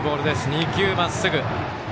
２球、まっすぐ。